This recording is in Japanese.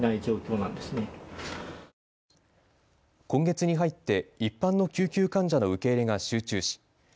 今月に入って一般の救急患者の受け入れが集中し